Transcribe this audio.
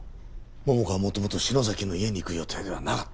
桃花は元々篠崎の家に行く予定ではなかった。